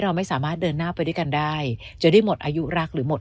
เราไม่สามารถเดินหน้าไปด้วยกันได้จะได้หมดอายุรักหรือหมด